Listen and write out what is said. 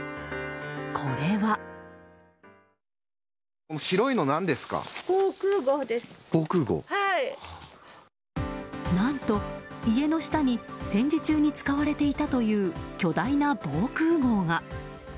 これは。何と家の下に戦時中に使われていたという巨大な防空壕が。